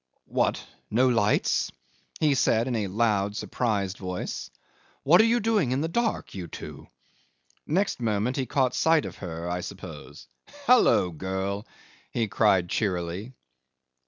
"What? No lights!" he said in a loud, surprised voice. "What are you doing in the dark you two?" Next moment he caught sight of her, I suppose. "Hallo, girl!" he cried cheerily.